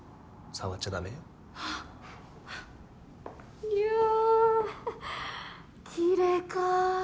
触っちゃダメよいやキレイかあ